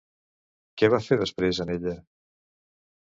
Què va fer després en ella?